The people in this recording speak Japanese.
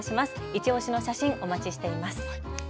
いちオシの写真お待ちしています。